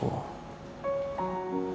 untuk jagain mas haris